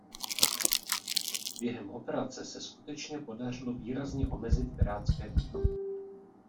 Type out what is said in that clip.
Během operace se skutečně podařilo výrazně omezit pirátské útoky.